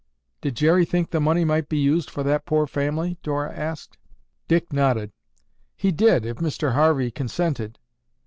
"Did Jerry think the money might be used for that poor family?" Dora asked. Dick nodded. "He did, if Mr. Harvey consented.